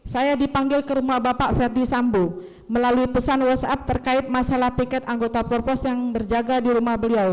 saya dipanggil ke rumah bapak ferdi sambo melalui pesan whatsapp terkait masalah tiket anggota purpos yang berjaga di rumah beliau